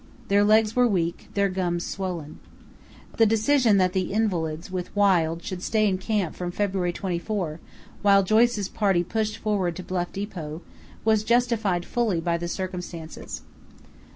Their legs were weak, their gums swollen. The decision that the invalids, with Wild, should stay in camp from February 24, while Joyce's party pushed forward to Bluff depot, was justified fully by the circumstances.